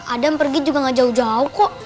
adam pergi juga gak jauh jauh kok